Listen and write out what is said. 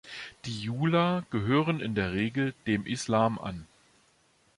Die Jula gehören in der Regel dem Islam an.